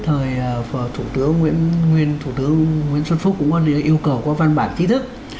thời thủ tướng nguyễn xuân phúc cũng yêu cầu qua văn bản kỹ thức